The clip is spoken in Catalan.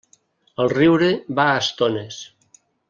El riure va a estones.